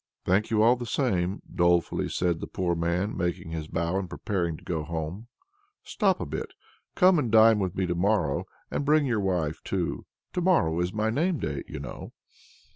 "Thank you all the same," dolefully said the poor man, making his bow and preparing to go home. "Stop a bit! come and dine with me to morrow, and bring your wife, too: to morrow is my name day, you know."